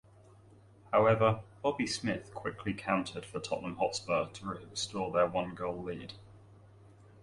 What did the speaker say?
However, Bobby Smith quickly countered for Tottenham Hotspur to restore their one-goal lead.